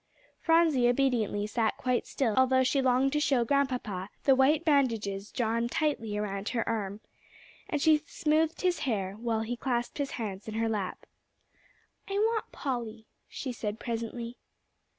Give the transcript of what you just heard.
Phronsie obediently sat quite still, although she longed to show Grandpapa the white bandages drawn tightly around her arm. And she smoothed his hair, while he clasped his hands in her lap. "I want Polly," she said presently.